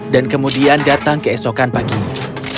dan kemudian datang keesokan paginya